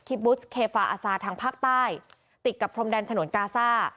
คิบรุ่ชเคฟ้าอาซาร์ทางภาคใต้ติดกับพรมดันฉนวลตรงกาซ่า